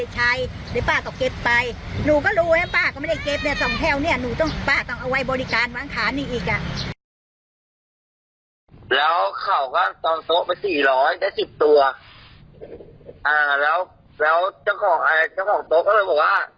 เจ้าของโต๊ะก็เลยบอกว่า